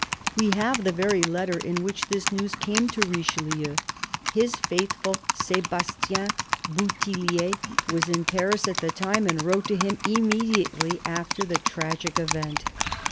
We have the very letter in which this news came to Richelieu. His faithful Sebastien Bouthillier was in Paris at the time, and wrote to him immediately after the tragic event.